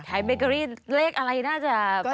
ขายเบเกอรี่เลขอะไรน่าจะเป็น